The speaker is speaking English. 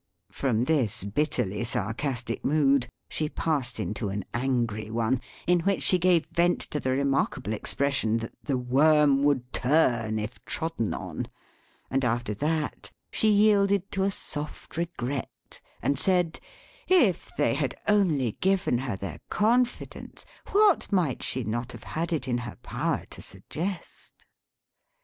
From this bitterly sarcastic mood, she passed into an angry one, in which she gave vent to the remarkable expression that the worm would turn if trodden on; and after that, she yielded to a soft regret, and said, if they had only given her their confidence, what might she not have had it in her power to suggest!